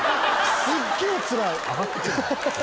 すっげえつらい。